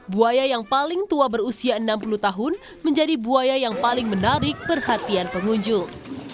buaya yang paling tua berusia enam puluh tahun menjadi buaya yang paling menarik perhatian pengunjung